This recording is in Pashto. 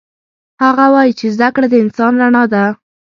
هغه وایي چې زده کړه د انسان رڼا ده